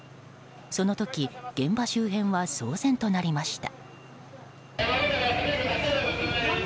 その時、現場周辺は騒然となりました。